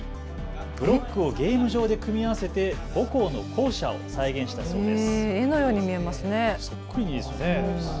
ブロックをゲーム上で組み合わせて母校の校舎を再現したそうです。